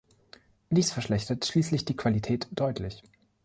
Dies verschlechtert schließlich die Qualität deutlich.